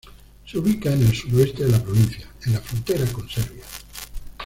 Se ubica en el suroeste de la provincia, en la frontera con Serbia.